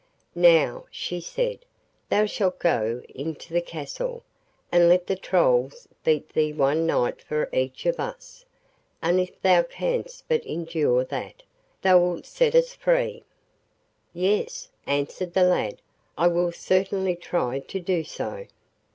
'Now,' she said, 'thou shalt go into the castle, and let the Trolls beat thee one night for each of us, and if thou canst but endure that, thou wilt set us free.' 'Yes,' answered the lad, 'I will certainly try to do so.